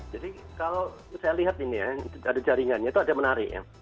jadi kalau saya lihat ini ya ada jaringannya itu ada menarik ya